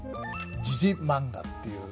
「時事漫画」っていう。